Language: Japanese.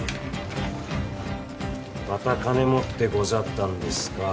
「また金持ってござったんですか」